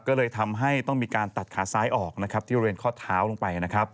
ก็เลยทำให้ต้องมีการตัดขาซ้ายออกที่เรียนข้อเท้าลงไป